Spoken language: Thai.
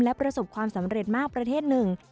และประสบความสำเร็จมากประเทศหนึ่ง